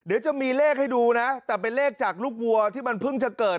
เดี๋ยวจะมีเลขให้ดูนะแต่เป็นเลขจากลูกวัวที่มันเพิ่งจะเกิด